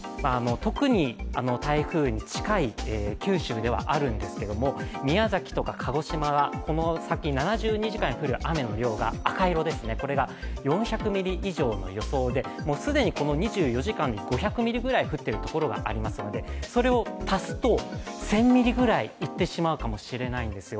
特に台風に近い九州ではあるんですけれども、宮崎とか鹿児島はこの先７２時間に降る雨は赤色ですね、４００ミリ以上の予想で既にこの２４時間で５００ミリぐらい降っているところがありますので、それを足すと１０００ミリぐらいいってしまうかもしれないんですよ。